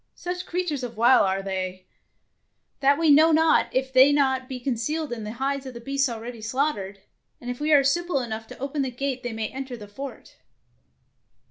Such crea tures of wile are they, that we know not if they be not concealed in the hides of the beasts already slaughtered, and if we are simple enough to open the gate they may enter the fort.